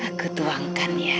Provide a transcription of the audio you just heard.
aku tuangkan ya